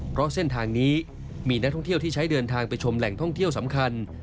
เพราะเส้นทางนี้มีนักท่องเที่ยวที่ใช้เดินทางไปชมแหล่งท่องเที่ยวสำคัญ